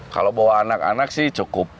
kalau bawa anak anak sih cukup